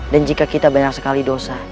dan jika kita banyak sekali dosa